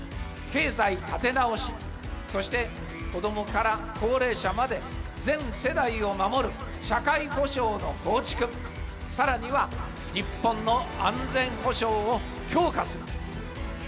経済立て直し、そして子どもから高齢者まで、全世代を守る社会保障の構築、さらには日本の安全保障を強化する。